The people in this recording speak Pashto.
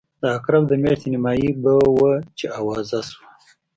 د عقرب د میاشتې نیمایي به وه چې آوازه شوه.